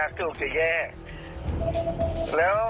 อาจารย์มีคนได้ไปรางวัลที่๑แหละ